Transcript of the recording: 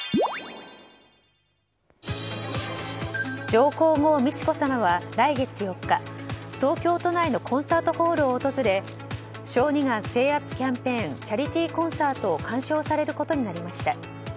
上皇后・美智子さまは来月４日東京都内のコンサートホールを訪れ小児がん征圧キャンペーンチャリティーコンサートを鑑賞されることになりました。